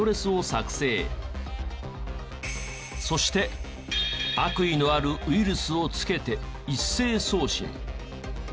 そして悪意のあるウイルスを付けて一斉送信。